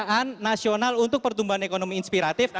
peran nasional untuk pertumbuhan ekonomi inspiratif